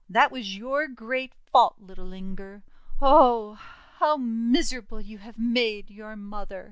That was your great fault, little Inger! Oh! How miserable you have made your mother!'